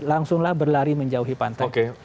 langsunglah berlari menjauhi pantai